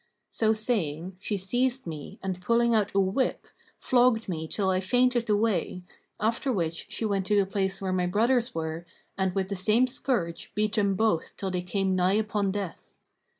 So saying, she seized me and pulling out a whip, flogged me till I fainted away, after which she went to the place where my brothers were and with the same scourge beat them both till they came nigh upon death.